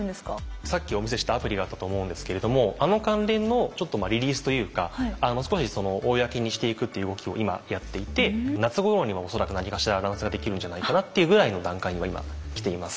さっきお見せしたアプリがあったと思うんですけれどもあの関連のちょっとリリースというか少し公にしていくっていう動きを今やっていて夏ごろには恐らく何かしらアナウンスができるんじゃないかなっていうぐらいの段階には今きています。